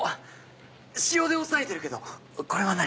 「私用」で押さえてるけどこれは何？